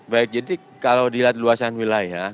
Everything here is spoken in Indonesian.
baik jadi kalau dilihat luasan wilayah